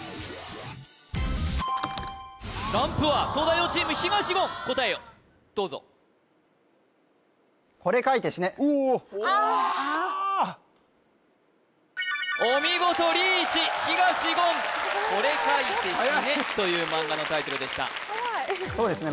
ランプは東大王チーム東言答えをどうぞおおああお見事リーチ東言「これ描いて死ね」という漫画のタイトルでしたそうですね